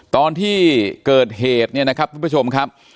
ตอนที่เกิดเหตุเนี่ยนะครับทุกผู้ชมครับ